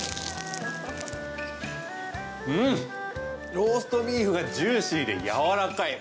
ローストビーフがジューシーで柔らかい！